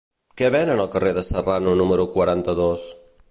Què venen al carrer de Serrano número quaranta-dos?